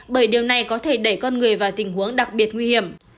bởi điều này có thể đẩy con người vào tình huống đặc biệt nguy hiểm